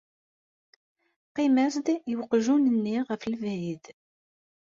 Qqim-as-d i uqjun-nni ɣef lebɛid.